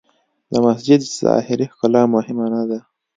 د مسجد ظاهري ښکلا مهمه نه ده.